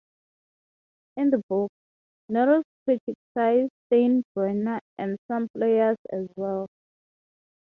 In the book, Nettles criticized Steinbrenner and some players as well.